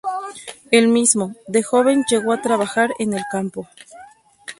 Él mismo, de joven, llegó a trabajar en el campo.